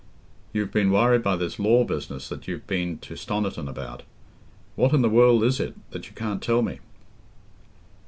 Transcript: "You've been worried by this law business that you've been to Stoniton about. What in the world is it, that you can't tell me?"